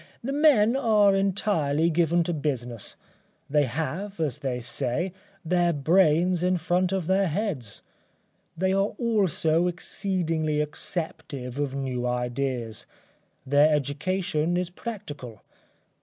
The men are entirely given to business; they have, as they say, their brains in front of their heads. They are also exceedingly acceptive of new ideas. Their education is practical.